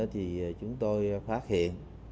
thì chúng tôi phát hiện